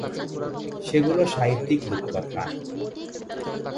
সেগুলো সাহিত্যিক রূপকথা।